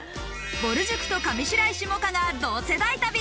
ぼる塾と上白石萌歌が同世代旅！